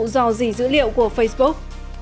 dò dỉ dữ liệu của facebook